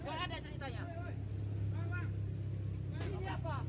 tidak ada ceritanya